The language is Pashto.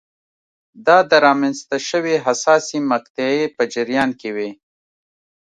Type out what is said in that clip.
دا د رامنځته شوې حساسې مقطعې په جریان کې وې.